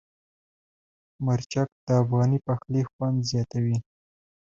مرچک د افغاني پخلي خوند زیاتوي.